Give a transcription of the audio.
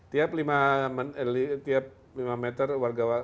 tiap lima meter warga